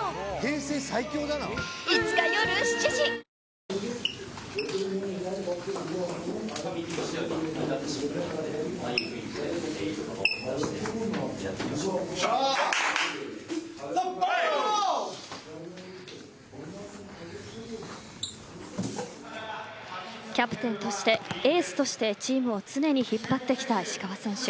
味で選べば「ＦＩＲＥＯＮＥＤＡＹ」キャプテンとしてエースとしてチームを常に引っ張ってきた石川選手。